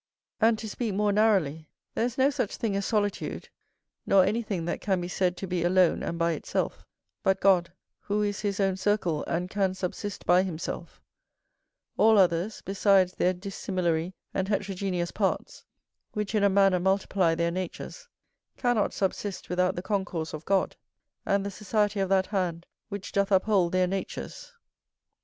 And to speak more narrowly, there is no such thing as solitude, nor anything that can be said to be alone, and by itself, but God; who is his own circle, and can subsist by himself; all others, besides their dissimilary and heterogeneous parts, which in a manner multiply their natures, cannot subsist without the concourse of God, and the society of that hand which doth uphold their natures.